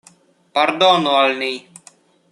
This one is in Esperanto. Pardonu al ni!